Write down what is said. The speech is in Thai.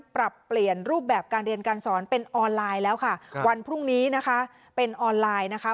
ปรับเปลี่ยนรูปแบบการเรียนการสอนเป็นออนไลน์แล้วค่ะวันพรุ่งนี้นะคะเป็นออนไลน์นะคะ